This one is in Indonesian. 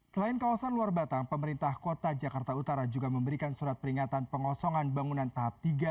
selain kawasan luar batang pemerintah kota jakarta utara juga memberikan surat peringatan pengosongan bangunan tahap tiga